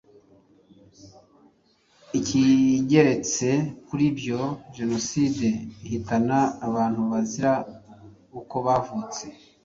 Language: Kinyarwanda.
Ikigeretse kuri ibyo, jenoside ihitana abantu bazira uko bavutse.